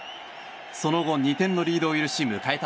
その後、２点のリードを許し迎えた